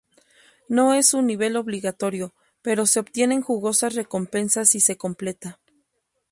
No es un nivel obligatorio, pero se obtienen jugosas recompensas si se completa.